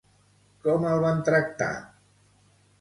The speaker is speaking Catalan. Com el van tractar?